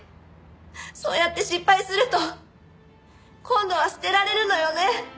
そうやって失敗すると今度は捨てられるのよね。